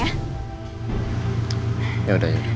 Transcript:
ya udah ya kamu tenang ya